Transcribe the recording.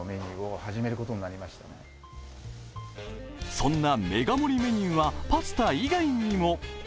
そんなメガ盛りメニューは、パスタ以外にも。